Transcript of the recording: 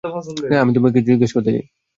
আমি তোমাকে কিছু জিজ্ঞেস করতে চাই।